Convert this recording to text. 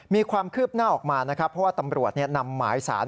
มีความคืบหน้าออกมานะครับเพราะว่าตำรวจนำหมายสาร